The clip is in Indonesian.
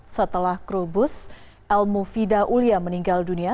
setelah kru bus elmo vida ulia meninggal dunia